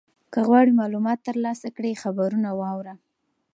که غواړې معلومات ترلاسه کړې خبرونه واوره.